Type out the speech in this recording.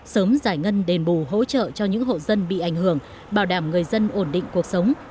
sớm giải ngân đền bù hỗ trợ cho những hộ dân bị ảnh hưởng bảo đảm người dân ổn định cuộc sống